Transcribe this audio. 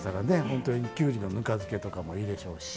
ほんとにきゅうりのぬか漬けとかもいいでしょうし。